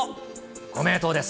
ご名答です。